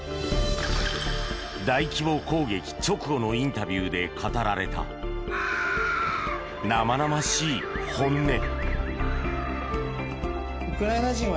大規模攻撃直後のインタビューで語られた生々しい本音。